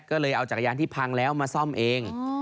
ก็เลยเอาจักรยานที่พังแล้วมาซ่อมเอง